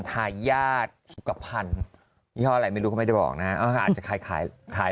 ทายาทสุขภัณฑ์ยี่ห้ออะไรไม่รู้ก็ไม่ได้บอกนะอาจจะขายขาย